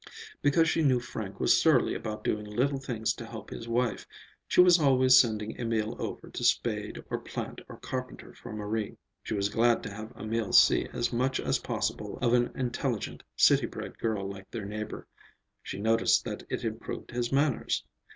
Because she knew Frank was surly about doing little things to help his wife, she was always sending Emil over to spade or plant or carpenter for Marie. She was glad to have Emil see as much as possible of an intelligent, city bred girl like their neighbor; she noticed that it improved his manners.